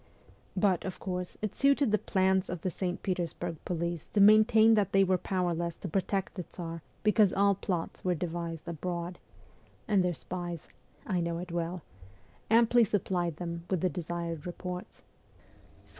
But, of course, it suited the plans of the St. Petersburg police to maintain that they were powerless to protect the Tsar because all plots were devised abroad, and their spies I know it well amply supplied them with the desired reports.